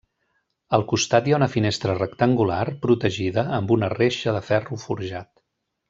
Al costat hi ha una finestra rectangular protegida amb una reixa de ferro forjat.